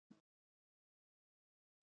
توپک پرهر نه، مرګ کوي.